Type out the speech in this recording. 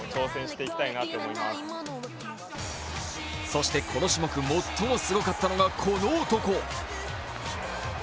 そしてこの種目最もすごかったのがこの男。